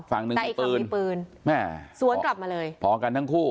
ฝั่งหนึ่งมีปืนสวนกลับมาเลยพอกันทั้งคู่